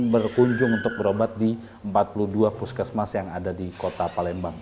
berkunjung untuk berobat di empat puluh dua puskesmas yang ada di kota palembang